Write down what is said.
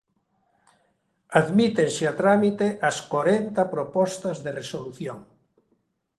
Admítense a trámite as corenta propostas de resolución.